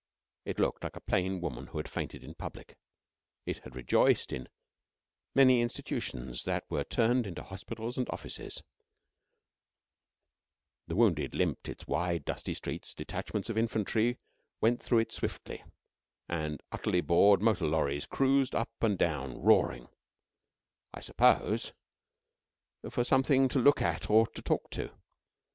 It looked like a plain woman who had fainted in public. It had rejoiced in many public institutions that were turned into hospitals and offices; the wounded limped its wide, dusty streets, detachments of Infantry went through it swiftly; and utterly bored motor lorries cruised up and down roaring, I suppose, for something to look at or to talk to.